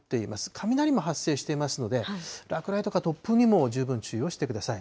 雷も発生していますので、落雷とか突風にも十分注意をしてください。